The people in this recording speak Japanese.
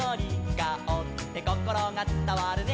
「カオってこころがつたわるね」